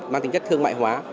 mang tính chất thương mại hóa